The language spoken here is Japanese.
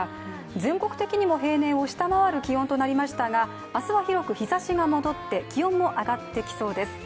全国的にも平年を下回る気温となりましたが明日は広く日ざしが戻って気温も上がってきそうです。